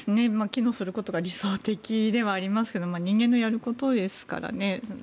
機能することが理想的ではありますが人間のやることですからね